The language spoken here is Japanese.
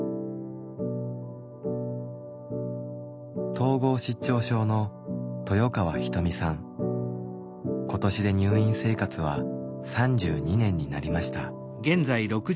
統合失調症の今年で入院生活は３２年になりました。